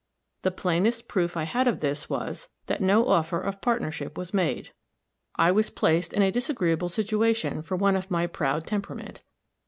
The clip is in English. The plainest proof I had of this was, that no offer of partnership was made. I was placed in a disagreeable situation for one of my proud temperament.